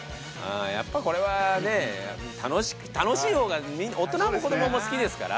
やっぱこれはね楽しいほうが大人も子どもも好きですから。